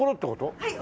はい。